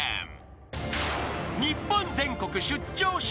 ［日本全国出張笑